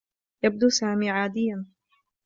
يبدو سامي عاديّا.